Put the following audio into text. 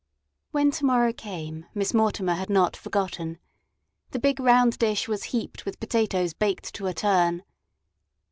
When "to morrow" came Miss Mortimer had not forgotten. The big round dish was heaped with potatoes baked to a turn.